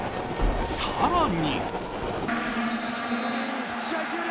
更に。